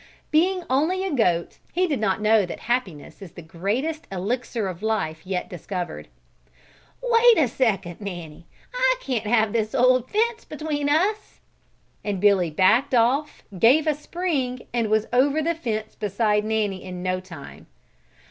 Being only a goat, he did not know that happiness is the greatest elixir of life yet discovered. "Wait a second, Nanny. I can't have this old fence between us," and Billy backed off, gave a spring and was over the fence beside Nanny in no time.